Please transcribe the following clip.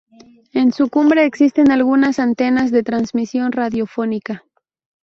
En su cumbre existen algunas antenas de transmisión radiofónica.